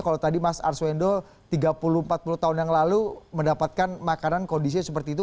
kalau tadi mas arswendo tiga puluh empat puluh tahun yang lalu mendapatkan makanan kondisinya seperti itu